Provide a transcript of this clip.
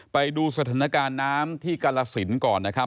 ไปดูสถานการณ์น้ำที่กรสินก่อนนะครับ